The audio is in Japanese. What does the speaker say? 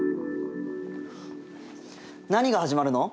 何が始まるの？